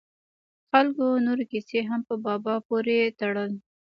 خلکو نورې کیسې هم په بابا پورې تړل.